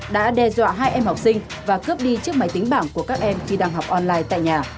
đã đe dọa hai em học sinh và cướp đi chiếc máy tính bảng của các em khi đang học online tại nhà